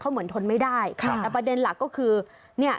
เหมือนทนไม่ได้ค่ะแต่ประเด็นหลักก็คือเนี่ย